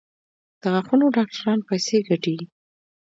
د غاښونو ډاکټران پیسې ګټي؟